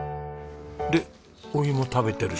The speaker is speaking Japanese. でお芋食べてるし。